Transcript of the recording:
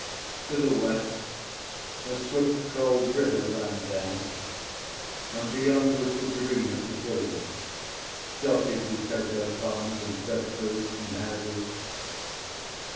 To the west, a swift cold river ran down, and beyond was the green of the village, dotted with cocoa palms and breadfruits and houses.